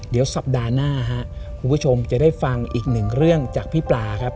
เดี๋ยวสัปดาห์หน้าครับคุณผู้ชมจะได้ฟังอีกหนึ่งเรื่องจากพี่ปลาครับ